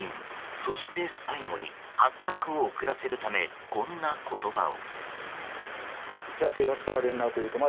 そして最後に発覚を遅らせるためこんな言葉を。